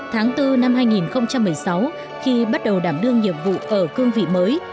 tháng bốn năm hai nghìn một mươi sáu khi bắt đầu đảm đương nhiệm vụ ở cương vị mới